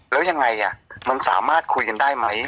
แล้วยังไงมันสามารถคุยกันได้ไหม